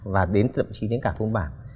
và đến thậm chí đến cả thôn bản